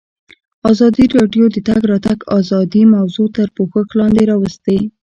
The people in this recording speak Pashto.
ازادي راډیو د د تګ راتګ ازادي موضوع تر پوښښ لاندې راوستې.